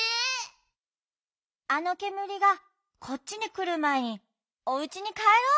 あのけむりがこっちにくるまえにおうちにかえろう！